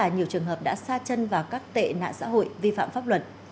và nhiều trường hợp đã xa chân vào các tệ nạn xã hội vi phạm pháp luận